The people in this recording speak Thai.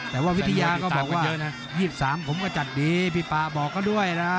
แต่ว่าวิทยาก็บอกว่า๒๓ผมก็จัดดีพี่ป่าบอกก็ด้วยนะคะ